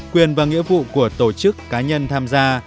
quyền và nghĩa vụ của tổ chức cá nhân tham gia